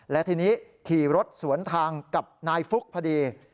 และทีนี้ขี่รถสวนทางกับนายฟุ๊กพอดี